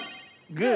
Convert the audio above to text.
グー。